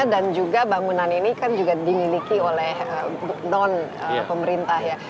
dan juga bangunan ini kan juga dimiliki oleh non pemerintah ya